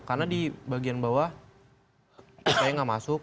karena di bagian bawah saya nggak masuk